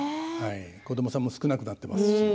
子どもさんも少なくなっていますし。